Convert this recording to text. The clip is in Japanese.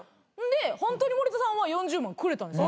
でホントに森田さんは４０万くれたんです。